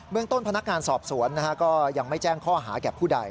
เมืองต้นพนักงานสอบสวนก็ยังไม่แจ้งข้อหาแก่ผู้ใด